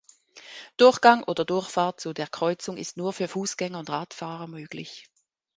Durchgang oder Durchfahrt zu der Kreuzung ist nur für Fußgänger und Radfahrer möglich.